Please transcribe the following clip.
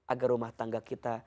agar rumah tangga kita